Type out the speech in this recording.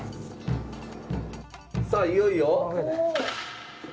さあいよいよ。